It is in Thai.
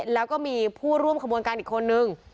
แล้วก็มีผู้ร่วมขบวนการอีกคนนึง